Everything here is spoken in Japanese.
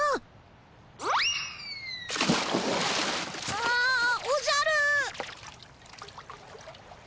ああおじゃる。